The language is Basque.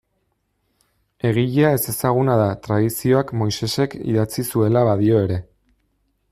Egilea ezezaguna da, tradizioak Moisesek idatzi zuela badio ere.